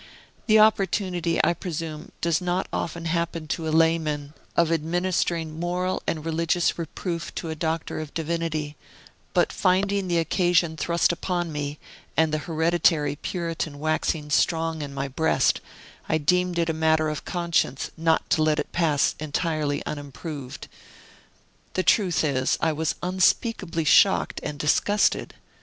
The opportunity, I presume, does not often happen to a layman, of administering moral and religious reproof to a Doctor of Divinity; but finding the occasion thrust upon me, and the hereditary Puritan waxing strong in my breast, I deemed it a matter of conscience not to let it pass entirely unimproved. The truth is, I was unspeakably shocked and disgusted.